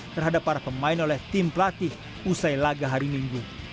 terhadap para pemain oleh tim pelatih usai laga hari minggu